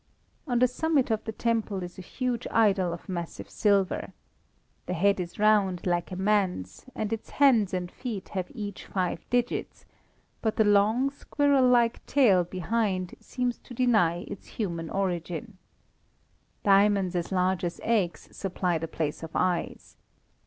On the summit of the temple is a huge idol of massive silver. The head is round, like a man's, and its hands and feet have each five digits; but the long, squirrel like tail behind seems to deny its human origin. Diamonds as large as eggs supply the place of eyes.